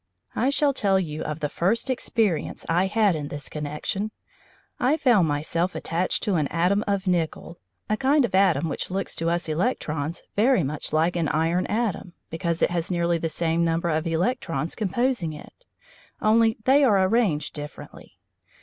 I shall tell you of the first experience I had in this connection. I found myself attached to an atom of nickel, a kind of atom which looks to us electrons very much like an iron atom, because it has nearly the same number of electrons composing it, only they are arranged differently.